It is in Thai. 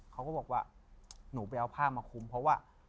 เขาก็บอกว่าหนูไปเอาผ้ามาคุมเพราะว่า